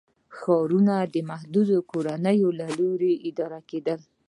ښارونه د محدودو کورنیو له لوري اداره کېدل.